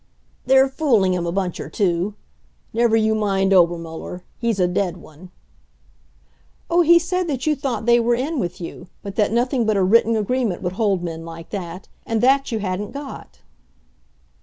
"They're fooling him a bunch or two. Never you mind Obermuller. He's a dead one." "Oh, he said that you thought they were in with you, but that nothing but a written agreement would hold men like that. And that you hadn't got."